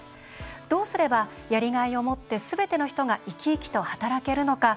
どうすれば、やりがいを持ってすべての人が生き生きと働けるのか。